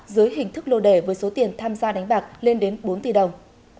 dưới hình thức lô đẻ với số tiền tham gia đánh bạc lên đến bốn tỷ đồng